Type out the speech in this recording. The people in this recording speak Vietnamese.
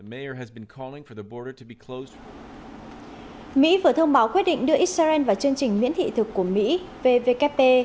mỹ vừa thông báo quyết định đưa israel vào chương trình miễn thị thực của mỹ vvkp